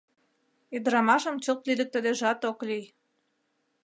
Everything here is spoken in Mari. Ӱдырамашым чылт лӱдыктыдежат ок лий.